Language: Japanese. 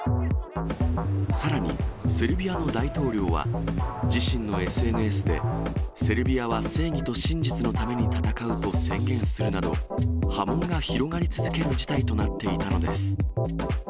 さらに、セルビアの大統領は、自身のＳＮＳで、セルビアは正義と真実のために闘うと宣言するなど、波紋が広がり続ける事態となっていたのです。